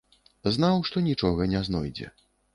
Знаў, што нічога не знойдзе.